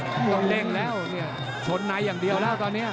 ต้องเด้งแล้วเนี่ยชนในอย่างเดียวแล้วตอนนี้